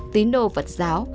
tín đồ phật giáo